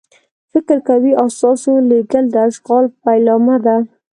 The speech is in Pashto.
فکر کوي استازو لېږل د اشغال پیلامه ده.